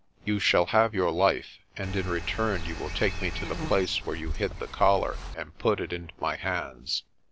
You shall have your life, and in return you will take me to the place where you hid the collar and put it into my hands.